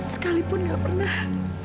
sekalipun nggak pernah